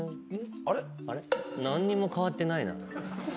何にも変わってないな。